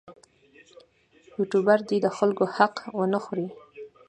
یوټوبر دې د خلکو حق ونه خوري.